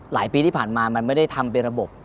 ปีที่ผ่านมามันไม่ได้ทำเป็นระบบ